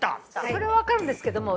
それはわかるんですけども。